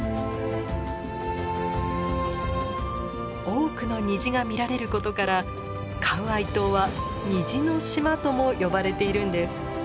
多くの虹が見られることからカウアイ島は虹の島とも呼ばれているんです。